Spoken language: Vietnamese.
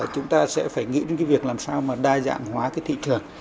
chúng ta sẽ phải nghĩ đến cái việc làm sao mà đa dạng hóa cái thị trường